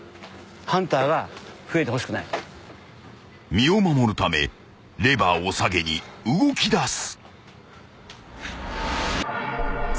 ［身を守るためレバーを下げに動きだす］